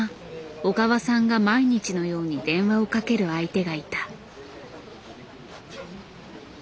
小川さんが毎日のように電話をかける相手がいた。